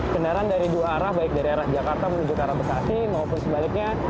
kendaraan dari dua arah baik dari arah jakarta menuju ke arah bekasi maupun sebaliknya